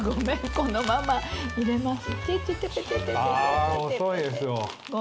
このまま入れます。